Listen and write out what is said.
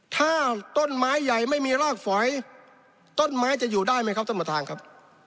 ถ้าต้นไม้ใหญ่ไม่มีรากฝอยต้นไม้จะอยู่ได้ไหมครับท่านประธานครับ